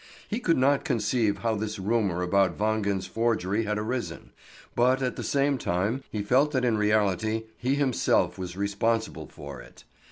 He could not conceive how this rumour about Wangen's forgery had arisen, but at the same time he felt that in reality he himself was responsible for it.